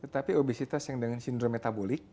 tetapi obesitas yang dengan sindrom metabolik